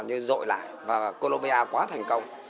nhưng rội lại và colombia quá thành công